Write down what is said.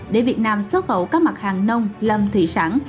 để việt nam xuất khẩu các mặt hàng nông lâm thủy sản